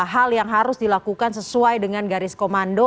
hal yang harus dilakukan sesuai dengan garis komando